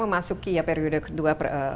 memasuki periode kedua